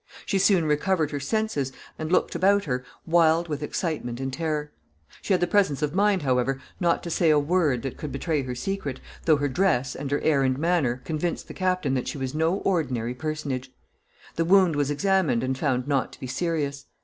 She soon recovered her senses, and looked about her wild with excitement and terror. She had the presence of mind, however, not to say a word that could betray her secret, though her dress, and her air and manner, convinced the captain that she was no ordinary personage. The wound was examined and found not to be serious.